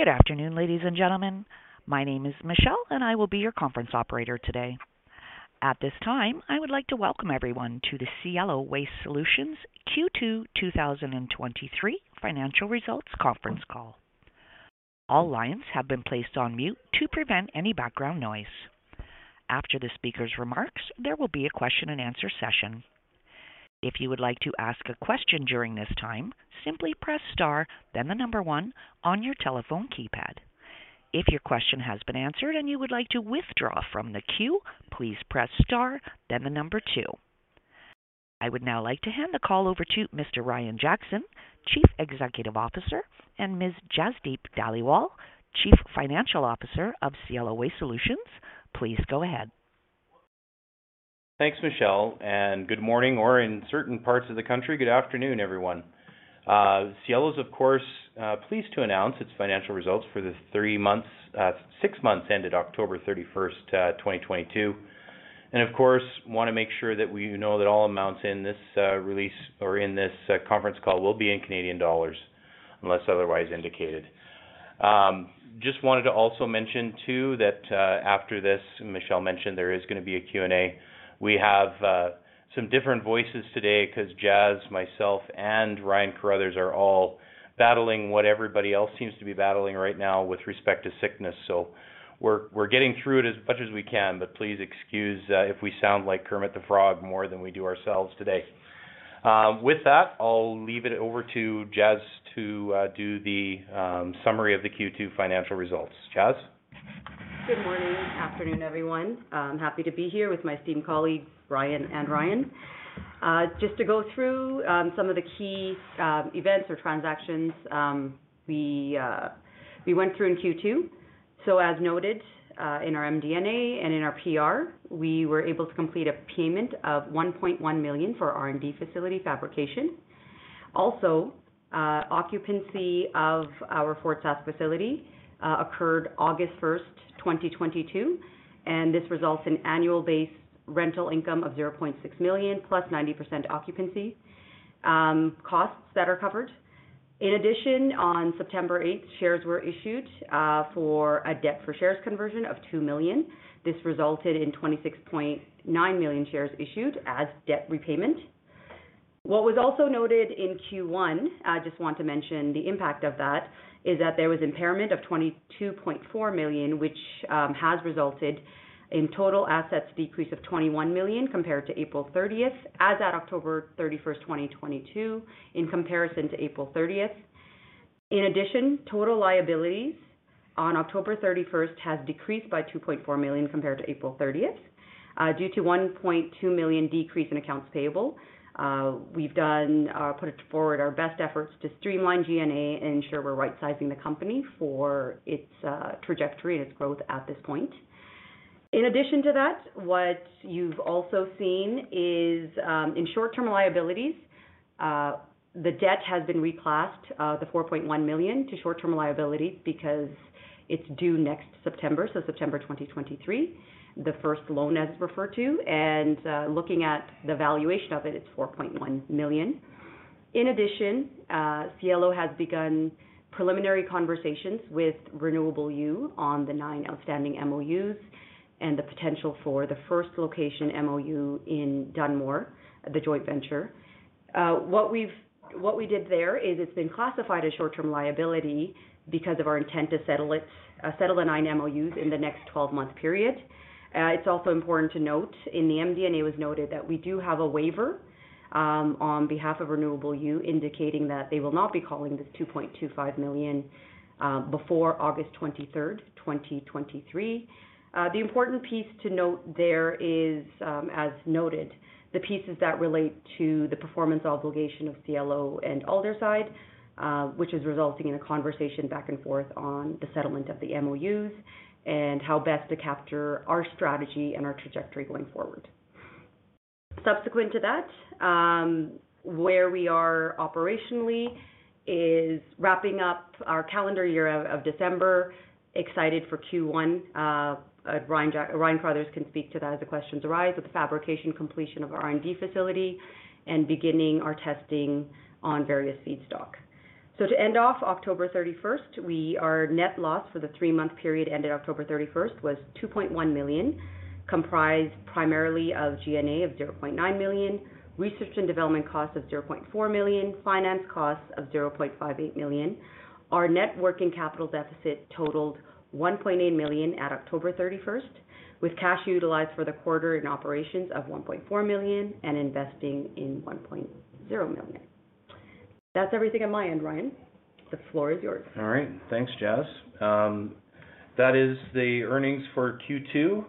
Good afternoon, ladies and gentlemen. My name is Michelle, and I will be your conference operator today. At this time, I would like to welcome everyone to the Cielo Waste Solutions Q2 2023 financial results conference call. All lines have been placed on mute to prevent any background noise. After the speaker's remarks, there will be a question-and-answer session. If you would like to ask a question during this time, simply press star, then the number one on your telephone keypad. If your question has been answered and you would like to withdraw from the queue, please press star, then the number two. I would now like to hand the call over to Mr. Ryan Jackson, Chief Executive Officer, and Ms. Jasdeep Dhaliwal, Chief Financial Officer of Cielo Waste Solutions. Please go ahead. Thanks, Michelle. Good morning or in certain parts of the country, good afternoon, everyone. Cielo's, of course, pleased to announce its financial results for the three months, six months ended October 31st, 2022. Of course, want to make sure that we know that all amounts in this release or in this conference call will be in Canadian dollars unless otherwise indicated. Just wanted to also mention too that after this, Michelle mentioned there is going to be a Q&A. We have some different voices today because Jas, myself, and Ryan Carruthers are all battling what everybody else seems to be battling right now with respect to sickness. We're getting through it as much as we can, but please excuse if we sound like Kermit the Frog more than we do ourselves today. With that, I'll leave it over to Jas to do the summary of the Q2 financial results. Jas. Good morning, afternoon, everyone. I'm happy to be here with my esteemed colleagues, Brian and Ryan. just to go through some of the key events or transactions we went through in Q2. As noted, in our MD&A and in our PR, we were able to complete a payment of 1.1 million for R&D Facility fabrication. Occupancy of our Fort Sask facility occurred August 1, 2022, and this results in annual base rental income of 0.6 million plus 90% occupancy costs that are covered. On September 8, shares were issued for a debt for shares conversion of 2 million. This resulted in 26.9 million shares issued as debt repayment. What was also noted in Q1, I just want to mention the impact of that, is that there was impairment of 22.4 million, which has resulted in total assets decrease of 21 million compared to April 30th. As at October 31st, 2022 in comparison to April 30th. Total liabilities on October 31st has decreased by 2.4 million compared to April 30th, due to 1.2 million decrease in accounts payable. We've done, put forward our best efforts to streamline G&A and ensure we're right-sizing the company for its trajectory and its growth at this point. In addition to that, what you've also seen is, in short-term liabilities, the debt has been reclassed, the 4.1 million to short-term liability because it's due next September, so September 2023, the first loan as referred to. Looking at the valuation of it's 4.1 million. In addition, Cielo has begun preliminary conversations with Renewable U on the nine outstanding MOUs and the potential for the first location MOU in Dunmore, the joint venture. What we did there is it's been classified as short-term liability because of our intent to settle it, settle the nine MOUs in the next 12-month period. It's also important to note, in the MD&A was noted that we do have a waiver on behalf of Renewable U, indicating that they will not be calling this 2.25 million before August 23, 2023. The important piece to note there is, as noted, the pieces that relate to the performance obligation of Cielo and Aldersyde, which is resulting in a conversation back and forth on the settlement of the MOUs and how best to capture our strategy and our trajectory going forward. Subsequent to that, where we are operationally is wrapping up our calendar year of December. Excited for Q1. Ryan Carruthers can speak to that as the questions arise with the fabrication completion of our R&D facility and beginning our testing on various feedstock. To end off October 31st, our net loss for the three-month period ended October 31st was 2.1 million, comprised primarily of G&A of 0.9 million, research and development costs of 0.4 million, finance costs of 0.58 million. Our net working capital deficit totaled 1.8 million at October 31st, with cash utilized for the quarter in operations of 1.4 million and investing in 1.0 million. That's everything on my end, Ryan. The floor is yours. All right. Thanks, Jas. That is the earnings for Q2.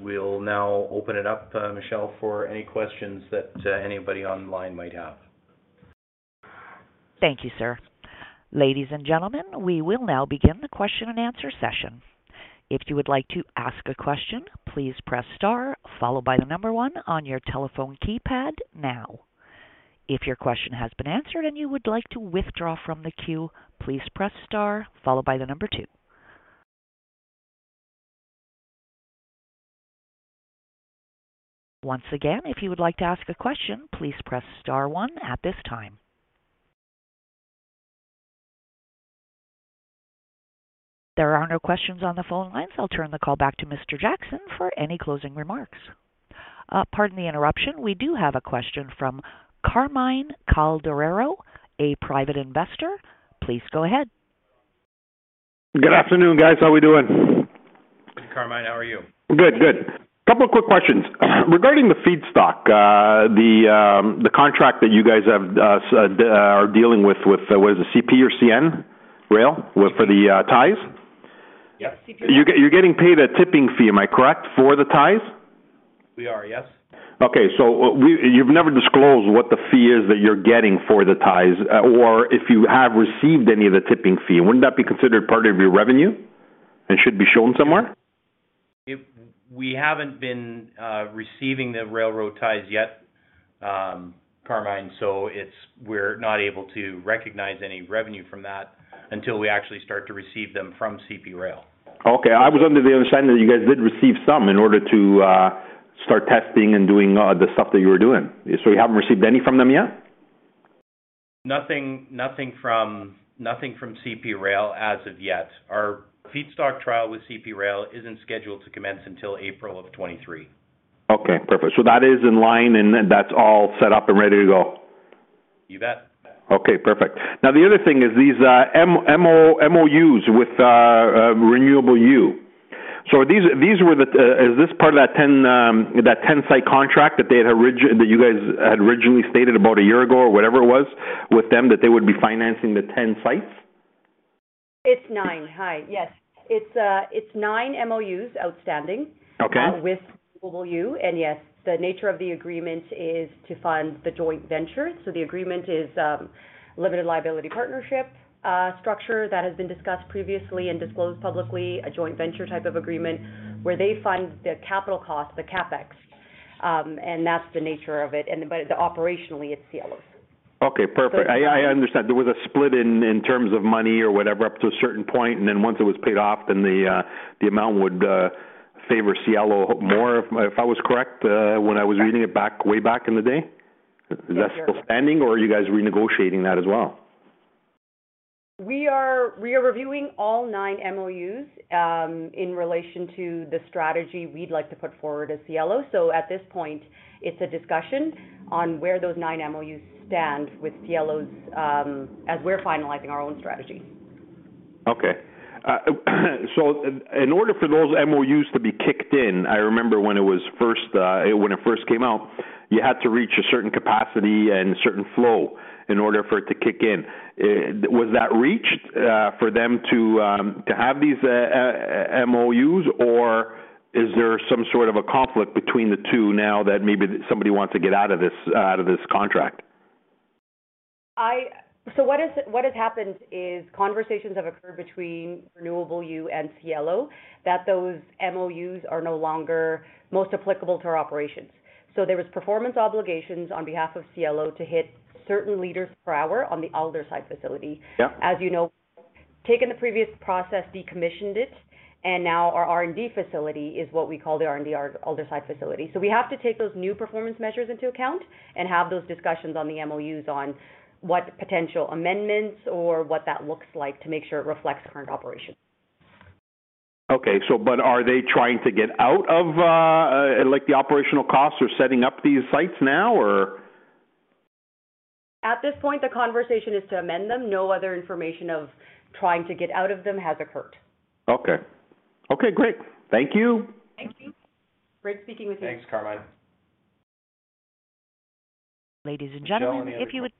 We'll now open it up, Michelle, for any questions that anybody online might have. Thank you, sir. Ladies and gentlemen, we will now begin the question-and-answer session. If you would like to ask a question, please press star followed by the number one on your telephone keypad now. If your question has been answered and you would like to withdraw from the queue, please press star followed by the number two. Once again, if you would like to ask a question, please press star one at this time. There are no questions on the phone lines. I'll turn the call back to Mr. Jackson for any closing remarks. Pardon the interruption. We do have a question from Carmine Calderaro, a Private Investor. Please go ahead. Good afternoon, guys. How we doing? Good, Carmine. How are you? Good, good. Couple quick questions. Regarding the feedstock, the contract that you guys have are dealing with was it CP or CN Rail for the ties? Yep. CP Rail. You're getting paid a tipping fee, am I correct, for the ties? We are, yes. Okay. you've never disclosed what the fee is that you're getting for the ties, or if you have received any of the tipping fee. Wouldn't that be considered part of your revenue and should be shown somewhere? We haven't been receiving the railroad ties yet, Carmine. We're not able to recognize any revenue from that until we actually start to receive them from CP Rail. Okay. I was under the understanding that you guys did receive some in order to start testing and doing the stuff that you were doing. You haven't received any from them yet? Nothing from CP Rail as of yet. Our feedstock trial with CP Rail isn't scheduled to commence until April of 2023. Okay, perfect. That is in line, and then that's all set up and ready to go. You bet. Okay, perfect. The other thing is these MOUs with Renewable U. Is this part of that 10-site contract that they had that you guys had originally stated about a year ago or whatever it was with them, that they would be financing the 10 sites? It's nine. Hi. Yes. It's, it's nine MOUs outstanding. Okay. With Renewable U. Yes, the nature of the agreement is to fund the joint venture. The agreement is, limited liability partnership, structure that has been discussed previously and disclosed publicly a joint venture type of agreement where they fund the capital costs, the CapEx, and that's the nature of it. Operationally, it's Cielo's. Okay, perfect. I understand. There was a split in terms of money or whatever up to a certain point, and then once it was paid off, then the amount would favor Cielo more, if I was correct, when I was reading it back way back in the day. Yes. Is that still standing or are you guys renegotiating that as well? We are reviewing all nine MOUs in relation to the strategy we'd like to put forward as Cielo. At this point, it's a discussion on where those 9 MOUs stand with Cielo's as we're finalizing our own strategy. Okay. In, in order for those MOUs to be kicked in, I remember when it was first, when it first came out, you had to reach a certain capacity and a certain flow in order for it to kick in. Was that reached, for them to have these, MOUs, or is there some sort of a conflict between the two now that maybe somebody wants to get out of this, out of this contract? What has happened is conversations have occurred between Renewable U and Cielo that those MOUs are no longer most applicable to our operations. There was performance obligations on behalf of Cielo to hit certain liters per hour on the Aldersyde facility. Yeah. As you know, taken the previous process, decommissioned it, and now our R&D Facility is what we call the R&D Aldersyde Facility. We have to take those new performance measures into account and have those discussions on the MOUs on what potential amendments or what that looks like to make sure it reflects current operations. Are they trying to get out of, like the operational costs or setting up these sites now or? At this point, the conversation is to amend them. No other information of trying to get out of them has occurred. Okay, great. Thank you. Thank you. Great speaking with you. Thanks, Carmine. Ladies and gentlemen, if you would-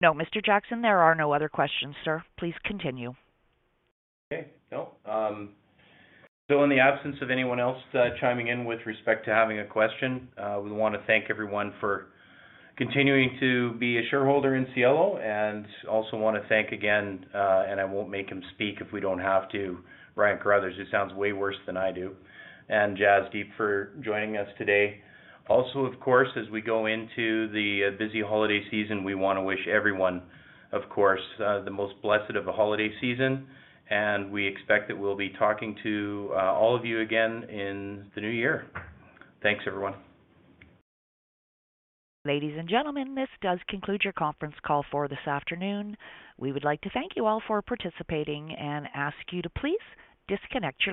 Michelle, any? No, Mr. Jackson, there are no other questions, sir. Please continue. Okay. No. In the absence of anyone else chiming in with respect to having a question, we want to thank everyone for continuing to be a shareholder in Cielo and also want to thank again, and I won't make him speak if we don't have to, Ryan Carruthers, he sounds way worse than I do, and Jasdeep for joining us today. Of course, as we go into the busy holiday season, we want to wish everyone, of course, the most blessed of a holiday season, and we expect that we'll be talking to all of you again in the New Year. Thanks, everyone. Ladies and gentlemen, this does conclude your conference call for this afternoon. We would like to thank you all for participating and ask you to please disconnect your lines.